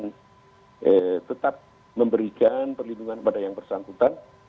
tetap memberikan perlindungan kepada yang bersangkutan